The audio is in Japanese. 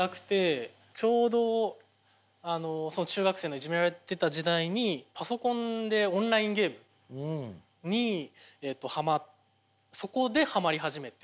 ちょうど中学生のいじめられてた時代にパソコンでオンラインゲームにそこではまり始めて。